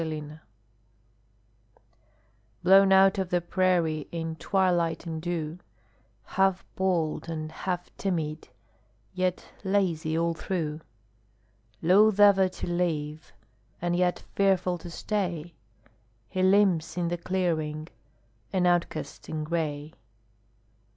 COYOTE Blown out of the prairie in twilight and dew, Half bold and half timid, yet lazy all through; Loath ever to leave, and yet fearful to stay, He limps in the clearing, an outcast in gray.